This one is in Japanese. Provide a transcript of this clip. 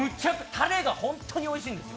たれが本当においしいんですよ。